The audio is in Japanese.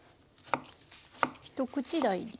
一口大に。